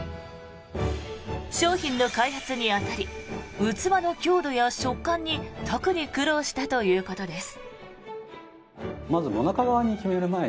商品の開発に当たり器の強度や食感に特に苦労したということです。